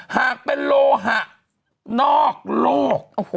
หากเป็นโลหะนอกโลก